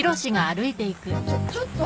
ちょちょっと。